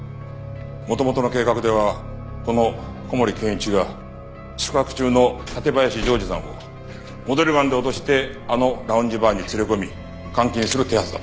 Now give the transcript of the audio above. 元々の計画ではこの古森謙一が宿泊中の館林穣治さんをモデルガンで脅してあのラウンジバーに連れ込み監禁する手はずだった。